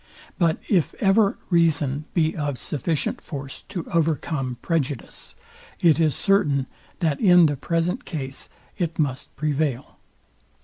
But if ever reason be of sufficient force to overcome prejudice, it is certain, that in the present case it must prevail.